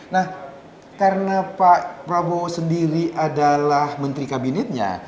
nah karena pak prabowo sendiri adalah menteri kabinetnya